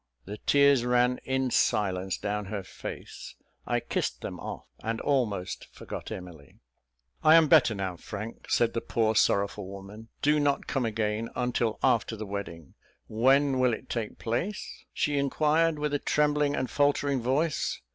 The tears ran in silence down her face; I kissed them off, and almost forgot Emily. "I am better now, Frank," said the poor, sorrowful woman; "do not come again until after the wedding. When will it take place?" she inquired, with a trembling and a faltering voice.